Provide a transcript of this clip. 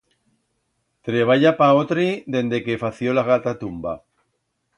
Treballa pa otri dende que fació la gatatumba.